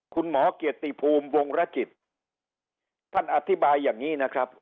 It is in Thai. คุณหมอเกียรติภูมิวงรจิตท่านอธิบายอย่างนี้นะครับ